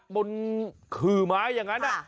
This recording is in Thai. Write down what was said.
ขื่อไม้อย่างนั้น